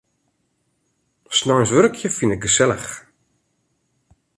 Sneins wurkje fyn ik gesellich.